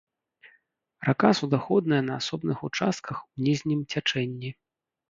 Рака суднаходная на асобных участках у ніжнім цячэнні.